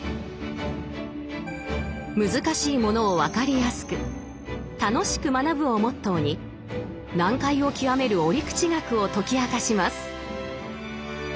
難しいものを分かりやすく楽しく学ぶをモットーに難解を極める折口学を解き明かします。